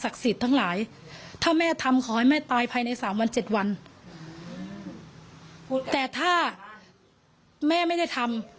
ขอให้แม่ตายภายในสามวันเจ็ดวันแต่ถ้าแม่ไม่ได้ทำ